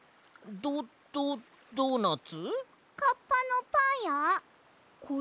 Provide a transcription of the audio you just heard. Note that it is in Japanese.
ドドドーナツ。